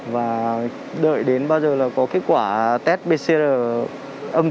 và đợi đến bao giờ là có kết quả test pcr âm chí